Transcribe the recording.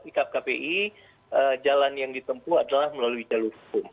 sikap kpi jalan yang ditempuh adalah melalui jalur hukum